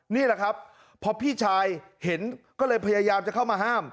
นี่แหละครับพอพี่ชายเห็นก็เลยพยายามจะเข้ามาห้าม